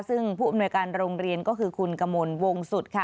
ซึ่งผู้อำนวยการโรงเรียนก็คือคุณกมลวงสุดค่ะ